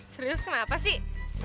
serius kenapa sih